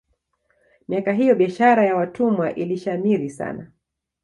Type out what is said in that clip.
miaka hiyo biashara ya watumwa ilishamiri sana